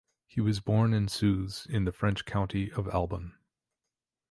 He was born in Suze in the French County of Albon.